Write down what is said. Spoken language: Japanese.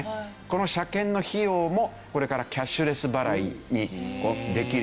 この車検の費用もこれからキャッシュレス払いをできるようになる。